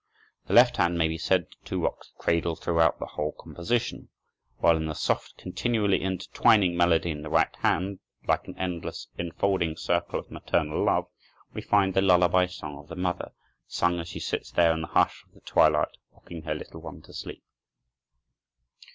The left hand may be said to rock the cradle throughout the whole composition, while in the soft, continually intertwining melody in the right hand, like an endless, infolding circle of maternal love, we find the lullaby song of the mother, sung as she sits there in the hush of the twilight, rocking her little one to sleep.